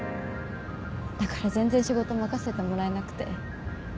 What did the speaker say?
だから全然仕事任せてもらえなくて